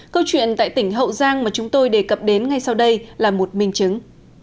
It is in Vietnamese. câu chuyện tại tỉnh hậu giang mà chúng tôi đề cập đến ngay sau đây là một minh chứng